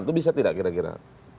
itu bisa tidak kira kira